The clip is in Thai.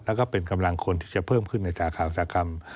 แล้วก็เป็นกำลังคนที่จะเพิ่มขึ้นในสาขาอุตสาหกรรม